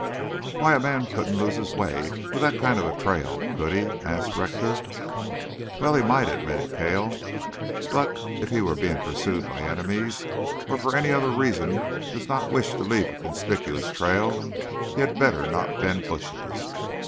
"Why, a man couldn't lose his way with that kind of a trail, could he?" asked Rector. "Well, he might," admitted Cale. "But, if he is being pursued by enemies, or for any other reason does not wish to leave a conspicuous trail, he had better not bend bushes.